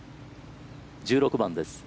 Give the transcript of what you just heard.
１６番です。